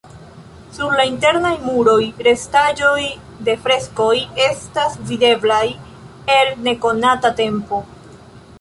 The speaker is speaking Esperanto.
Sur la internaj muroj restaĵoj de freskoj estas videblaj el nekonata tempo.